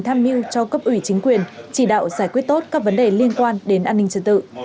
tham mưu cho cấp ủy chính quyền chỉ đạo giải quyết tốt các vấn đề liên quan đến an ninh trật tự